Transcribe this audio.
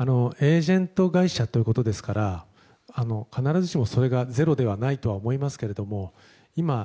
エージェント会社ということですから必ずしも、それがゼロではないと思いますけれども。